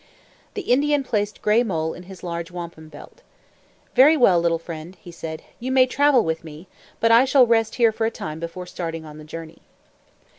The Indian placed Gray Mole in his large wampum belt. "Very well, little friend," he said. "You may travel with me, but I shall rest here for a time before starting on the journey."